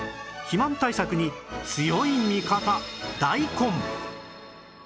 肥満対策に強い味方大根